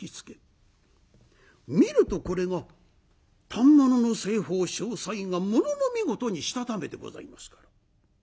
見るとこれが反物の製法詳細がものの見事にしたためてございますから。